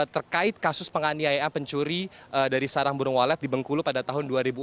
terkait kasus penganiayaan pencuri dari sarang burung walet di bengkulu pada tahun dua ribu empat